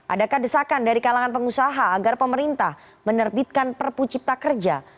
adakah desakan dari kalangan pengusaha agar pemerintah menerbitkan perpu cipta kerja